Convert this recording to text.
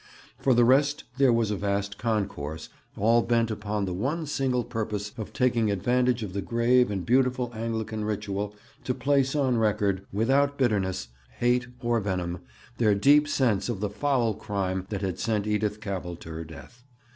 For the rest there was a vast concourse, all bent upon the one single purpose of taking advantage of the grave and beautiful Anglican ritual to place on record, without bitterness, hate, or venom, their deep sense of the foul crime that had sent Edith Cavell to her death.